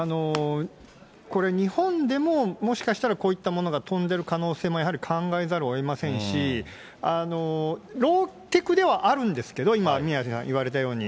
これ、日本でももしかしたらこういったものが飛んでる可能性もやはり考えざるをえませんし、ローテクではあるんですけれども、今、宮根さんが言われたように。